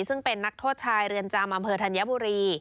ซึ่งเป็นนักโทษชายเรือนจำอำเภอธัญบุรี